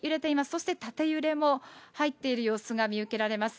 そして縦揺れも入っている様子が見受けられます。